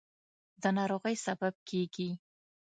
د ناروغۍ سبب کېږي.